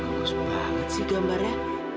bagus banget sih gambarnya